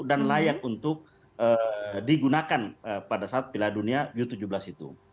dan layak untuk digunakan pada saat pila dunia u tujuh belas itu